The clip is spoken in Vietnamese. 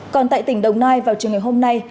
còn tại tỉnh đồng nai vào trường ngày hôm nay